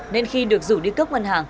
nên khi được rủ đi cướp ngân hàng